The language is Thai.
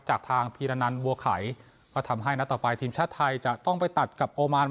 จากทางพีรนันบัวไข่ก็ทำให้นัดต่อไปทีมชาติไทยจะต้องไปตัดกับโอมาน